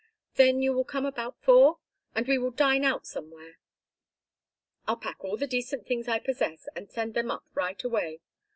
Then you will come about four? And we will dine out somewhere?" "I'll pack all the decent things I possess and send them up right away.